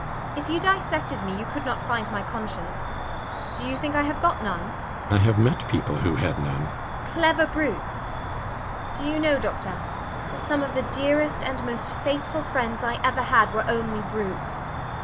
If you dissected me you could not find my conscience. Do you think I have got none? RIDGEON. I have met people who had none. JENNIFER. Clever brutes? Do you know, doctor, that some of the dearest and most faithful friends I ever had were only brutes!